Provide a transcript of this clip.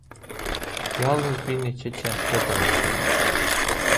Yalnız bir neçə kənddə danışılır.